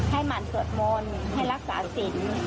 ให้หมั่นสวดมนต์ให้รักษาสิน